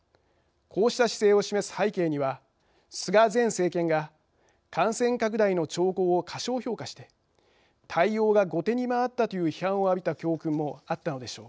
こうした姿勢を示す背景には菅前政権が感染拡大の兆候を過小評価して対応が後手に回ったという批判を浴びた教訓もあったのでしょう。